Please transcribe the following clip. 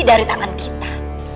dari tangan kita